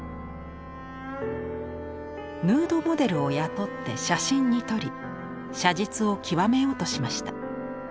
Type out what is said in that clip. ヌードモデルを雇って写真に撮り写実を極めようとしました。